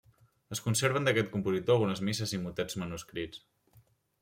Es conserven d'aquest compositor algunes misses i motets manuscrits.